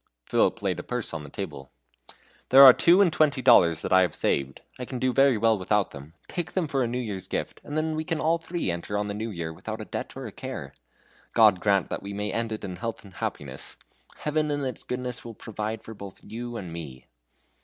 Philip laid a purse upon the table. "There are two and twenty dollars that I have saved. I can do very well without them; take them for a New Year's gift, and then we can all three enter on the new year without a debt or a care. God grant that we may end it in health and happiness! Heaven in its goodness will provide for both you and me!"